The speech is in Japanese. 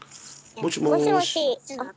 もしもし。